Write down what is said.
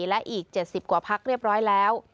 และอีก๗๐กว่าพักเรียบร้อยแล้ว